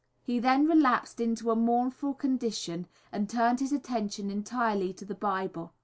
He then relapsed into a mournful condition, and turned his attention entirely to the Bible.